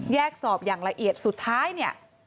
แยกสอบอย่างละเอียดสุดท้ายเนี่ย